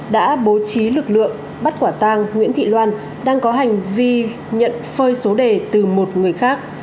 đã bố trí lực lượng bắt quả tang nguyễn thị loan đang có hành vi nhận phơi số đề từ một người khác